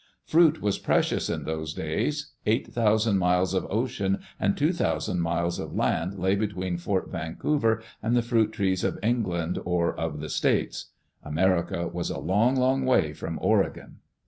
Fruit was precious in those days. Eight thousand miles of ocean and two thousand miles of land lay between Fort Vancouver and the fruit trees of England, or of " the States. "America " was a long, long way from Oregon.